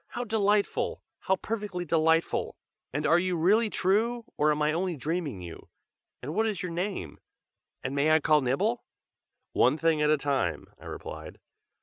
"How delightful! how perfectly delightful! and are you really true, or am I only dreaming you? and what is your name? and may I call Nibble?" "One thing at a time!" I replied.